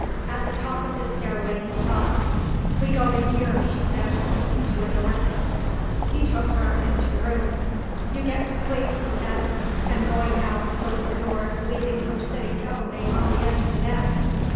At the top of the stairway he stopped. "We go in here," she said, pointing to a door. He took her into the room. "You get to sleep," he said, and going out closed the door, leaving her sitting heavily on the edge of the bed.